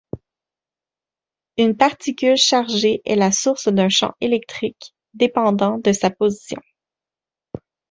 Une particule chargée est la source d’un champ électrique dépendant de sa position.